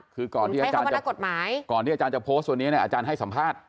คือก่อนที่อาจารย์จะโพสต์วันนี้เนี่ยอาจารย์ให้สัมภาษณ์